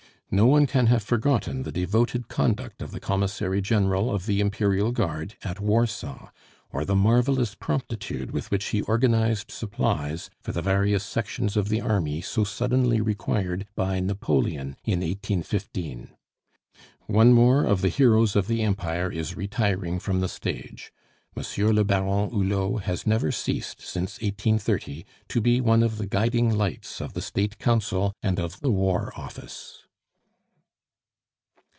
No one can have forgotten the devoted conduct of the Commissary General of the Imperial Guard at Warsaw, or the marvelous promptitude with which he organized supplies for the various sections of the army so suddenly required by Napoleon in 1815. "One more of the heroes of the Empire is retiring from the stage. Monsieur le Baron Hulot has never ceased, since 1830, to be one of the guiding lights of the State Council and of the War Office."